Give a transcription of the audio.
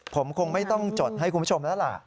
ผมคงไม่ต้องจดให้คุณผู้ชมแล้วล่ะ